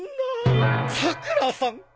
さくらさん